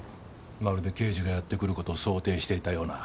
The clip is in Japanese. まるで刑事がやって来る事を想定していたような。